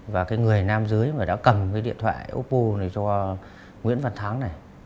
và người nam dưới đã cầm điện thoại oppo cho nguyễn văn thắng